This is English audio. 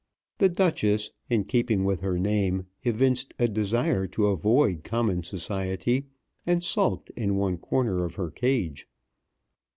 The Duchess, in keeping with her name, evinced a desire to avoid common society, and sulked in one corner of her cage.